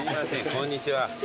こんにちは。